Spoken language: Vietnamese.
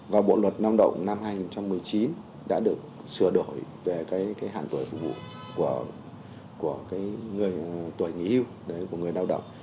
và bộ luật lao động năm hai nghìn một mươi chín đã được sửa đổi về hạn tuổi phục vụ của người lao động